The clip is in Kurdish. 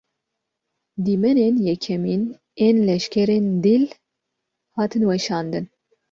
Dîmenên yekemîn ên leşkerên dîl, hatin weşandin